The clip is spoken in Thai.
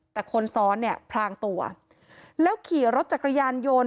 แต่คนซ้อนเนี่ยพรางตัวแล้วขี่รถจักรยานยนต์